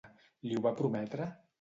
Li ho va prometre?